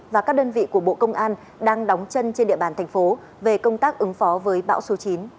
và các đơn vị của bộ công an đang đóng chân trên địa bàn thành phố về công tác ứng phó với bão số chín